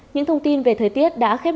những thông tin về thời tiết đã khai sát